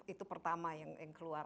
itu pertama yang keluar